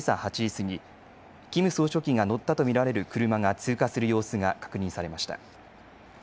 過ぎキム総書記が乗ったと見られる車が通過する様子が確認されました。